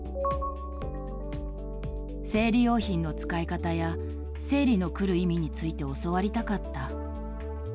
生理用品の使い方や、生理の来る意味について教わりたかった。